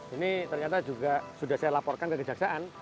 ini ternyata juga sudah saya laporkan ke kejaksaan